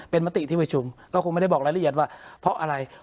เป็นมติที่ประชุมก็คงไม่ได้บอกรายละเอียดว่าเพราะอะไร